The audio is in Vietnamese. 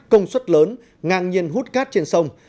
công suất lớn ngang nhiên hút cát trên sông